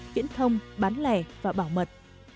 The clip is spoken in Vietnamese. tiễn thông bán lẻ và bảo mật